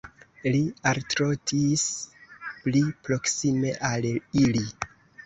Li altrotis pli proksime al ili.